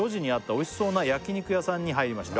「おいしそうな焼肉屋さんに入りました」